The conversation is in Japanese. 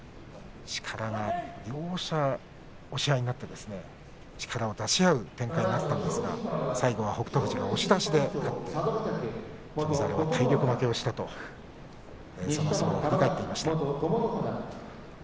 両者押し合いになって力を出し合う展開になったんですが最後、北勝富士が押し出しで勝って翔猿が体力負けをしたというそんなふうに相撲を振り返っていました。